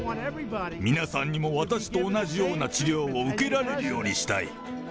皆さんにも私と同じような治療を受けられるようにしたい。